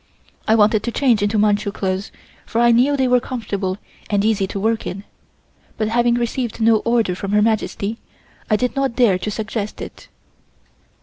I wanted to change into Manchu clothes, for I knew they were comfortable and easy to work in, but having received no order from Her Majesty, I did not dare to suggest it.